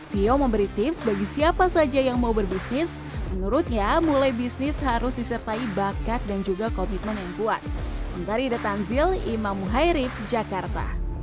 fio memberi tips bagi siapa saja yang mau berbisnis menurutnya mulai bisnis harus disertai bakat dan juga komitmen yang kuat